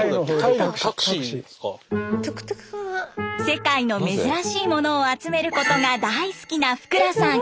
世界の珍しいものを集めることが大好きな福羅さん。